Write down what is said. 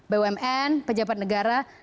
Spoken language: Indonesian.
bumn pejabat negara